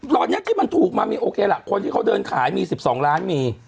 ตอนนี้ที่มันถูกมามีโอเคล่ะคนที่เขาเดินขายมี๑๒ล้านมี